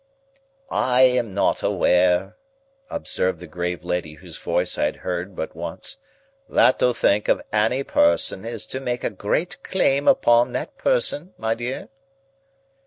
"I am not aware," observed the grave lady whose voice I had heard but once, "that to think of any person is to make a great claim upon that person, my dear."